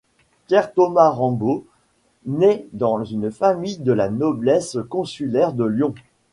Pierre-Thomas Rambaud naît dans une famille de la noblesse consulaire de Lyon.